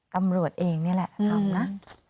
ตำรวจเองนี่แหละทำนะ